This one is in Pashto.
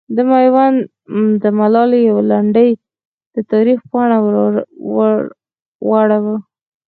د میوند د ملالې یوه لنډۍ د تاریخ پاڼه واړوله.